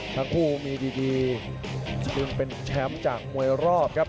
ทั้งคู่มีดีซึ่งเป็นแชมป์จากมวยรอบครับ